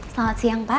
selamat siang pak